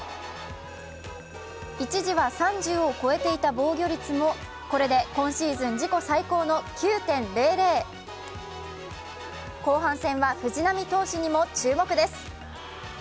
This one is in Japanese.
一時は３０を超えていた防御率もこれで今シーズン自己最高の９．００後半戦は藤浪投手にも注目です。